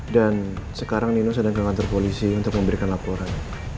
dan sekarang nino sedang ke kantor polisi untuk memberikan laporan